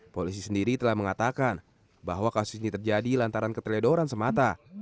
polisi sendiri telah mengatakan bahwa kasus ini terjadi lantaran keteledoran semata